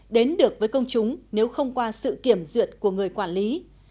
đến được với công chúng nếu không qua sự kiểm duyệt của người quản lý